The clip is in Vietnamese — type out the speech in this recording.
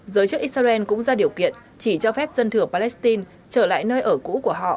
giới chức israel cũng ra điều kiện chỉ cho phép dân thừa palestine trở lại nơi ở cũ của họ